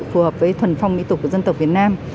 phù hợp với thuần phong mỹ tục của dân tộc việt nam